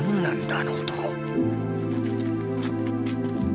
あの男。